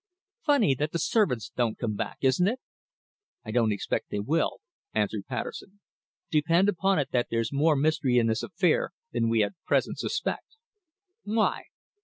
Funny that the servants don't come back, isn't it?" "I don't expect they will," answered Patterson. "Depend upon it that there's more mystery in this affair than we at present suspect." "Why?"